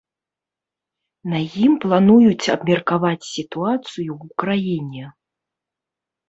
На ім плануюць абмеркаваць сітуацыю ў краіне.